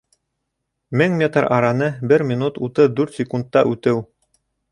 Мең метр араны бер минут утыҙ дүрт секундта үтеү